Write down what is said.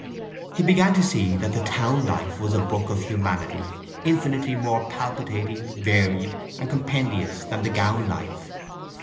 He began to see that the town life was a book of humanity infinitely more palpitating, varied, and compendious than the gown life.